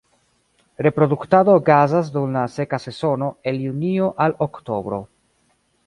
Reproduktado okazas dum la seka sezono el junio al oktobro.